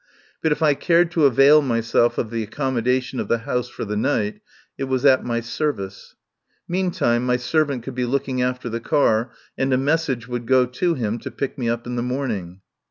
But if I cared to avail myself of the accommodation of the house for the night it was at my service. Meantime my servant could be looking after the car, and a message would go to him to pick me up in the morning.